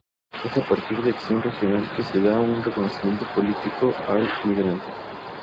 Es a partir de Acción Regional que se da un reconocimiento político al migrante.